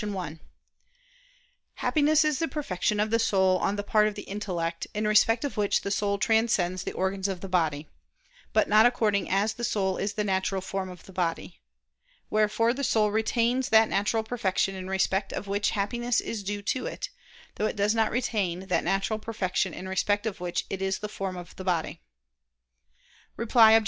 1: Happiness is the perfection of the soul on the part of the intellect, in respect of which the soul transcends the organs of the body; but not according as the soul is the natural form of the body. Wherefore the soul retains that natural perfection in respect of which happiness is due to it, though it does not retain that natural perfection in respect of which it is the form of the body. Reply Obj.